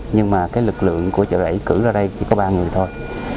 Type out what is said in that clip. nhưng mà cái lực lượng của chợ rẫy cử ra đây chỉ có ba người thôi